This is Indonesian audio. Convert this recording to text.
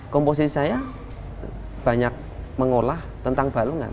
komposisi saya banyak mengolah tentang balungan